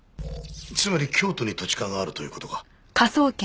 つまり京都に土地勘があるという事か。